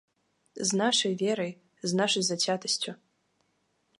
З нашай верай, з нашай зацятасцю.